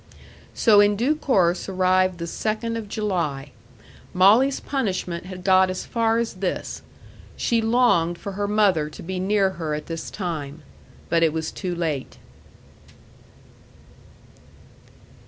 So in due course arrived the second of July. Molly's punishment had got as far as this: she longed for her mother to be near her at this time; but it was too late.